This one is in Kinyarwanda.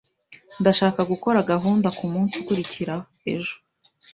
Ndashaka gukora gahunda kumunsi ukurikira ejo